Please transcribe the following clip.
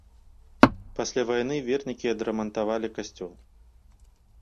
Пасля вайны вернікі адрамантавалі касцёл.